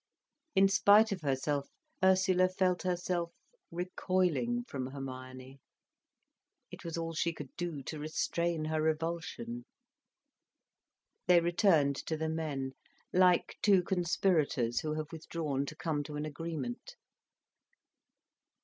In spite of herself, Ursula felt herself recoiling from Hermione. It was all she could do to restrain her revulsion. They returned to the men, like two conspirators who have withdrawn to come to an agreement.